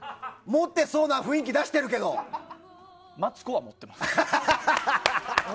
持ってそうな雰囲気出してるマツコは持ってます。